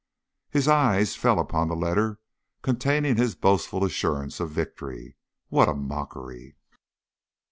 His eyes fell upon the letter containing his boastful assurance of victory. What a mockery!